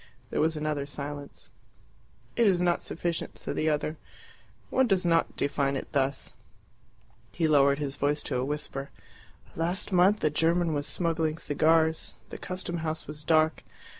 There was another silence. "It is not sufficient," said the other. "One does not define it thus." He lowered his voice to a whisper. "Last month a German was smuggling cigars. The custom house was dark.